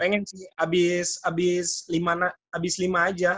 pengen sih habis lima aja